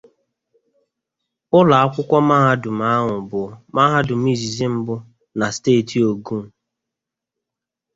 Ụlọ akwụkwọ mahadum ahụ bụ mahadum izizi mbụ na steeti Ogun.